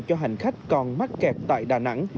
cho hành khách còn mắc kẹt tại đà nẵng